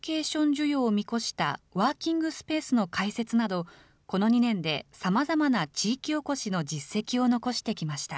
需要を見越したワーキングスペースの開設など、この２年でさまざまな地域おこしの実績を残してきました。